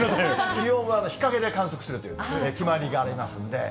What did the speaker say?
気温は日陰で観測するという決まりがありますんで。